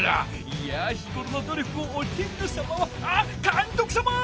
いや日ごろの努力をおてんとさまはあっかんとくさま！